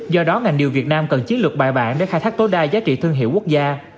do đó ngành điều việt nam cần chiến lược bài bản để khai thác tối đa giá trị thương hiệu quốc gia